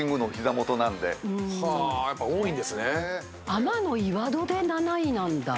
天岩戸で７位なんだ。